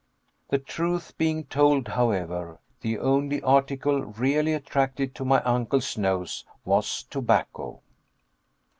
The truth being told, however, the only article really attracted to my uncle's nose was tobacco.